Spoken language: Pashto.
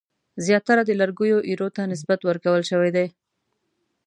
زیاتره د لرګیو ایرو ته نسبت ورکول شوی دی.